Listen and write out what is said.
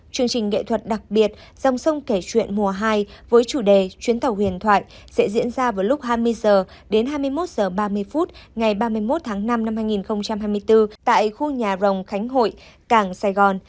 chương trình nghệ thuật đặc biệt dòng sông kể chuyện mùa hai với chủ đề chuyến tàu huyền thoại sẽ diễn ra vào lúc hai mươi h đến hai mươi một h ba mươi phút ngày ba mươi một tháng năm năm hai nghìn hai mươi bốn tại khu nhà rồng khánh hội cảng sài gòn